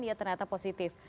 dia ternyata positif